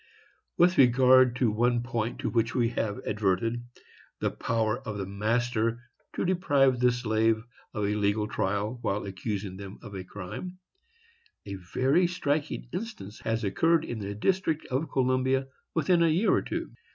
With regard to one point to which we have adverted,—the power of the master to deprive the slave of a legal trial while accusing him of crime,—a very striking instance has occurred in the District of Columbia, within a year or two.